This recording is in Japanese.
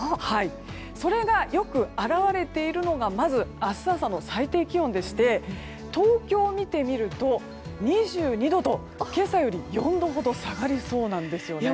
それがよく表れているのが明日朝の最低気温でして東京を見てみると２２度と今朝より４度ほど下がりそうなんですよね。